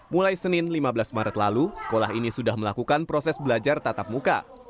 mulai senin lima belas maret lalu sekolah ini sudah melakukan proses belajar tatap muka